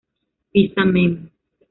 Pisa Mem.